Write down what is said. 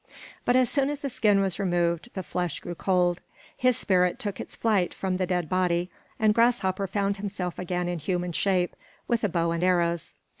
But as soon as the skin was removed, the flesh grew cold. His spirit took its flight from the dead body, and Grasshopper found himself again in human shape, with a bow and arrows.